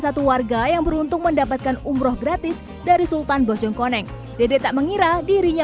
satu warga yang beruntung mendapatkan umroh gratis dari sultan bojongkoneng dede tak mengira dirinya